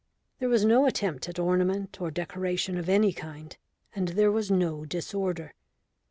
There was no attempt at ornament or decoration of any kind, and there was no disorder.